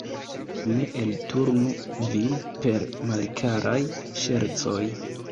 Ne elturnu vin per malkaraj ŝercoj!